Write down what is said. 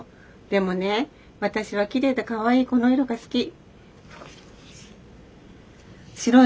でもねわたしはきれいでかわいいこのいろがすき」。